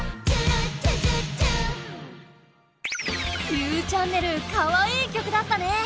ゆうチャンネルかわいい曲だったね！